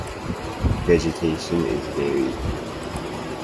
The vegetation is varied.